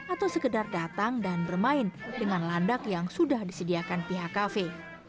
atau sekedar datang dan bermain dengan landak yang sudah disediakan pihak kafe